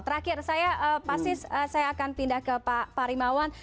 terakhir saya pasis saya akan pindah ke pak rimawan